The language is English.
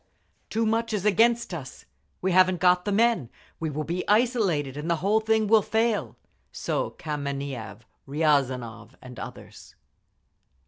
"Too much is against us. We haven't got the men. We will be isolated, and the whole thing will fall." So Kameniev, Riazanov and others.